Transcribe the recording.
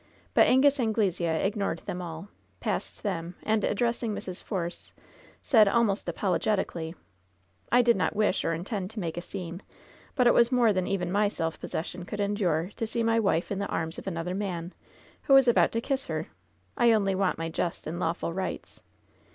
But Angus Anglesea ignored them all, passed them, and, addressing Mrs. Force, said, almost apologetically : "I did not wish or intend to make a scene. But it was more than even my self possession could endure to see my wife in the arms of another man, who was about to kiss her. I only want my just and lawful rights.